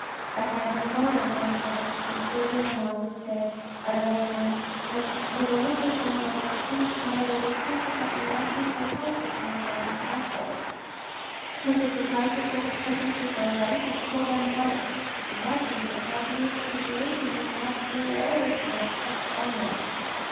" I have no daughter, thank heaven," M. de Renal would DIALOGUE WITH A MASTER 13 1 say at other times, "and the way in which I am going to punish the mother will consequently not be so harmful to my children's household. I could surprise this little peasant with my wife and kill them both ; in that case the tragedy of the situation would perhaps do away with the grotesque element."